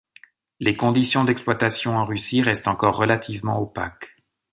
Les conditions d'exploitation en Russie restent encore relativement opaques.